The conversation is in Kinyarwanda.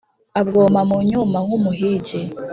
Abwoma mu nyuma nk’umuhigi,